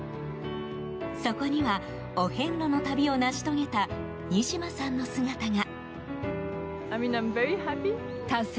そこにはお遍路の旅を成し遂げたニシマさんの姿が。